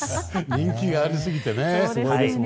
人気がありすぎてね。